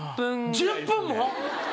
１０分も？